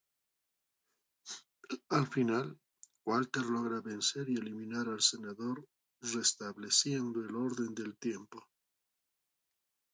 Al final, Walker logra vencer y eliminar al senador restableciendo el orden del tiempo.